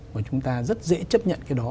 và chúng ta rất dễ chấp nhận cái đó